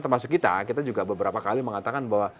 termasuk kita kita juga beberapa kali mengatakan bahwa